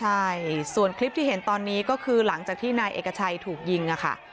ใช่ส่วนคลิปที่เห็นตอนนี้ก็คือหลังจากที่นายเอกชัยถูกยิงค่ะ